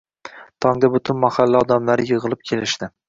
Tongda butun mahalla odamlari yig`ilib kelishdi